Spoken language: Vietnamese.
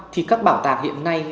thì các bảo tàng hiện nay